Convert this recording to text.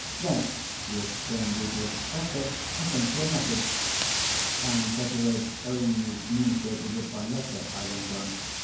yes!" he exclaimed eagerly. "That's it! I sent you a message!" "And Betteredge duly communicated it by letter," I went on.